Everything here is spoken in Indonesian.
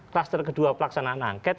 klaster kedua pelaksanaan angket